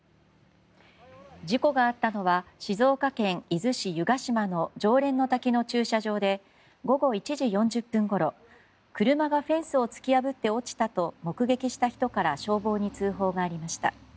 事故があったのは静岡県伊豆市湯ケ島の浄蓮の滝の駐車場で午後１時４０分ごろ、車がフェンスを突き破って落ちたと目撃した人から消防に通報がありました。